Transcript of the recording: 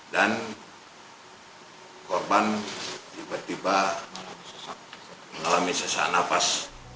dan korban tiba tiba mengalami sesak nafas